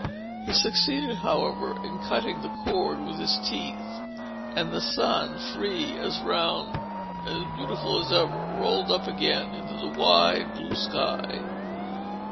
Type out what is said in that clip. He succeeded, however, in cutting the cord with his teeth, and the sun, free, as round and beautiful as ever, rolled up again into the wide blue sky.